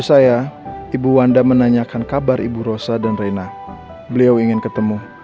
saya ibu wanda menanyakan kabar ibu rosa dan reina beliau ingin ketemu